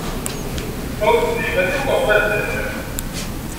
Tefriḍ-tt d yiman-im neɣ mazal?